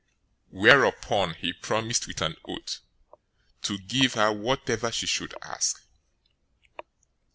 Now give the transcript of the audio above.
014:007 Whereupon he promised with an oath to give her whatever she should ask.